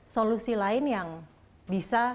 solusi lain yang bisa